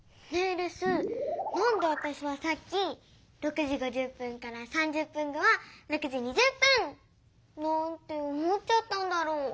レスなんでわたしはさっき６時５０分から３０分後は６時２０分！なんて思っちゃったんだろう？